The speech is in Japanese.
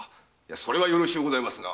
それはよろしゅうございますな。